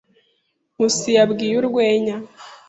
Nkusi yabwiye urwenya.